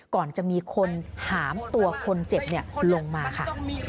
ก่อนจะมีคนหามตัวคนเจ็บลงมาค่ะ